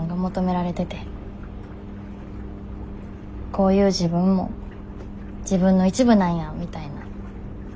こういう自分も自分の一部なんやみたいな感覚？